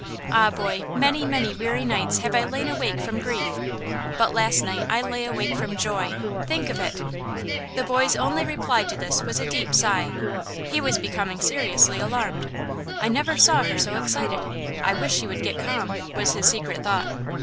Ah, boy! many, many weary nights have I lain awake from grief; but last night I lay awake from joy! Think of it!" The boy's only reply to this was a deep sigh. He was becoming seriously alarmed. "I never saw her so excited! I wish she would get calm," was his secret thought.